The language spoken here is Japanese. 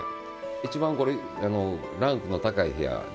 一番これランクの高い部屋ですね。